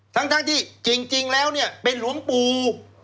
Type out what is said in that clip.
ทั้งที่จริงแล้วเนี่ยเป็นหลวงปู่